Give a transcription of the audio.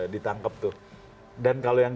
ditangkap tuh dan kalau yang